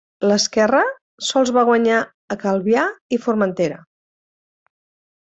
L'esquerra sols va guanyar a Calvià i Formentera.